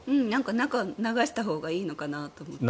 中を流したほうがいいのかなって。